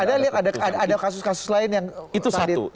ada kasus kasus lain yang tadi menunggu